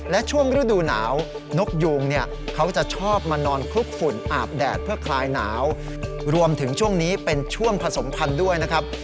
และช่วงฤดูหนาวนกยูงเนี่ยเขาจะชอบมานอนคลุกฝุ่นอาบแดดเพื่อคลายหนาวรวมถึงช่วงนี้เป็นช่วงผสมพันธุ์ด้วยนะครับ